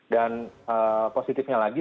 dan positifnya lagi